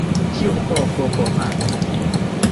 Tiu epoko forpasis.